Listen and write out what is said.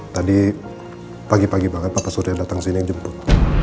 tadi pagi pagi banget papa surya datang sini jemput